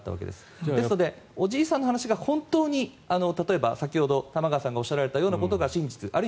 ですので、おじいさんの話が本当に、先ほど玉川さんがおっしゃられたことが真実で